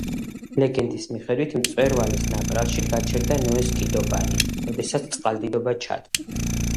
ლეგენდის მიხედვით, მწვერვალის ნაპრალში გაჩერდა ნოეს კიდობანი, როდესაც წყალდიდობა ჩადგა.